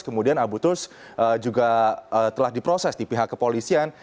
kemudian abuturs juga telah diproses di pihak kepolisian